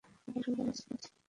একটু সরে দাড়াবেন, প্লিজ?